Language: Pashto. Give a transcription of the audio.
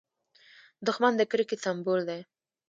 دښمن د کرکې سمبول دی